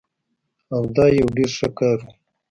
او دا يو ډير ښه کار وو